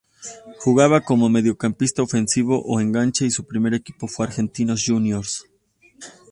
Jugaba como mediocampista ofensivo o enganche y su primer equipo fue Argentinos Juniors.